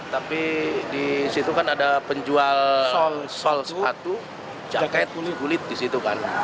tapi di situ kan ada penjual sol sepatu jaket kulit kulit di situ kan